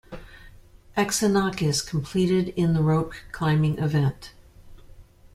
Xenakis competed in the rope climbing event.